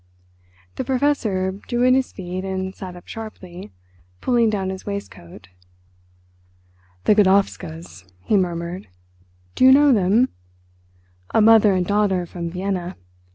The Professor drew in his feet and sat up sharply, pulling down his waistcoat. "The Godowskas," he murmured. "Do you know them? A mother and daughter from Vienna.